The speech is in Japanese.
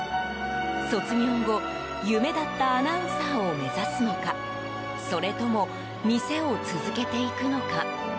卒業後、夢だったアナウンサーを目指すのかそれとも店を続けていくのか。